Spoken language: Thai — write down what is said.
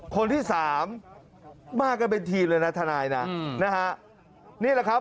คนที่สามมากันเป็นทีมเลยนะทนายนะนะฮะนี่แหละครับ